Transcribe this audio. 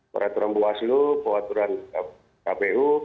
peraturan buaslu peraturan kpu